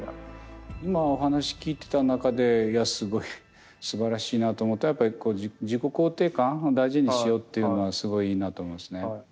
今お話聞いてた中でいやすごいすばらしいなと思ったのはやっぱり自己肯定感を大事にしようっていうのはすごいいいなと思いますね。